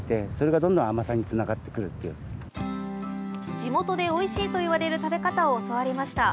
地元でおいしいといわれる食べ方を教わりました。